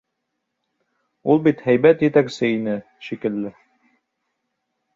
Ул бит һәйбәт етәксе... ине шикелле.